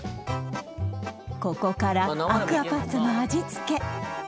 ここからアクアパッツァの味付け